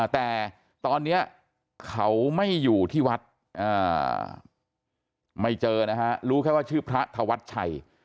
แต่ตอนนี้เขาไม่อยู่ที่วัดไม่เจอนะฮะรู้แค่ว่าชื่อพระธวัชชัย